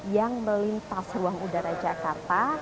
yang melintas ruang udara jakarta